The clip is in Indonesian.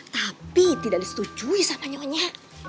tapi tidak disetujui sama nyonya